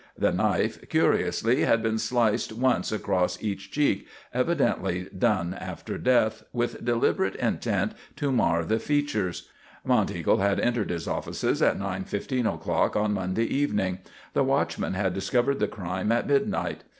The knife, curiously, had been sliced once across each cheek, evidently done after death, with deliberate intent to mar the features. Monteagle had entered his offices at 9:15 o'clock on Monday evening. The watchman had discovered the crime at midnight.